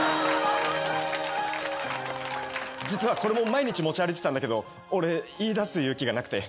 実はこれも毎日持ち歩いてたんだけど俺言いだす勇気がなくて。